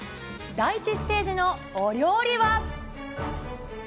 第１ステージのお料理は。